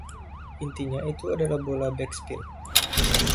Intinya itu adalah bola back spin.